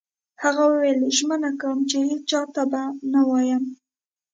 هغه وویل: ژمنه کوم چي هیڅ چا ته به نه وایم.